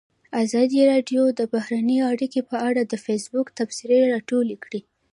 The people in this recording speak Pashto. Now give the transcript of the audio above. ازادي راډیو د بهرنۍ اړیکې په اړه د فیسبوک تبصرې راټولې کړي.